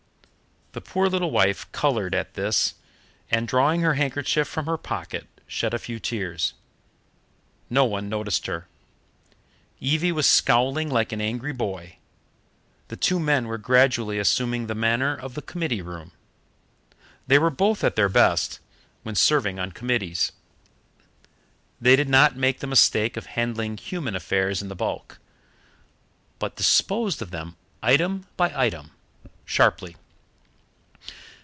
The poor little wife coloured at this, and, drawing her handkerchief from her pocket, shed a few tears. No one noticed her. Evie was scowling like an angry boy. The two men were gradually assuming the manner of the committee room. They were both at their best when serving on committees. They did not make the mistake of handling human affairs in the bulk, but disposed of them item by item, sharply.